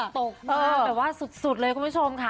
ตกมากแบบว่าสุดเลยคุณผู้ชมค่ะ